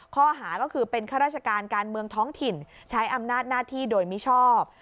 ข้อหาก็คือเป็นข้าราชการการเมืองท้องถิ่นใช้อำนาจหน้าที่โดยมิชอบ